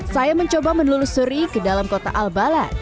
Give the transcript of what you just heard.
saya mencoba menelusuri ke dalam kota al bala